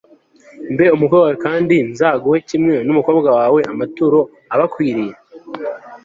mbe umukwe wawe kandi nzaguhe kimwe n'umukobwa wawe, amaturo abakwiriye